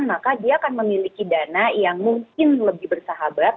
maka dia akan memiliki dana yang mungkin lebih bersahabat